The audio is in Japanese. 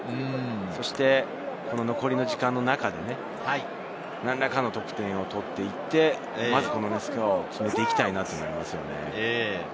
そして、残りの時間の中で、何らかの得点を取っていって、まずスコアを詰めていきたいですよね。